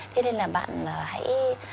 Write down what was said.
thế nên là bạn hãy